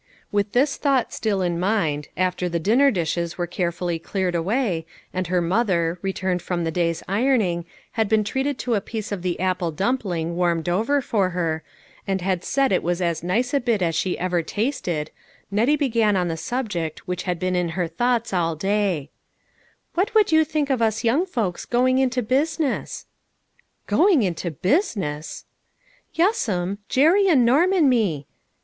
With this thought still in mind, after the din ner dishes were carefully cleared away, and her mother, returned from the day's ironing, had been treated to a piece of the apple dumpling warmed over for her, and had said it was as nice a bit as she ever tasted, Nettie began on the subject which had been in her thoughts all day :" What would you think of us young folks go ing into business ?"" Going into business !" "Yes'm. Jerry and Norm and me.